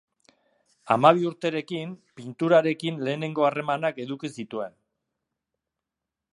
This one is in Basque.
Hamabi urterekin pinturarekin lehenengo harremanak eduki zituen.